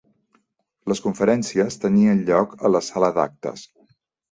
Les conferències tenien lloc a la sala d'actes.